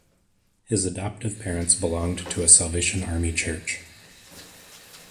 His adoptive parents belonged to a Salvation Army church.